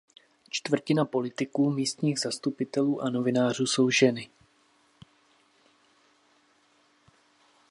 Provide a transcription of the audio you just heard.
Čtvrtina politiků, místních zastupitelů a novinářů jsou ženy.